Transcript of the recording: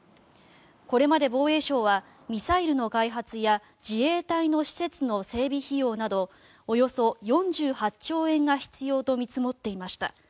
これまで防衛省はミサイルの開発や自衛隊の施設の整備費用などおよそ４８兆円が必要と見積もっていました。